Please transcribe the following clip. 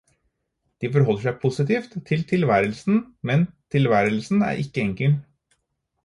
De forholder seg positivt til tilværelsen, men tilværelsen er ikke enkel.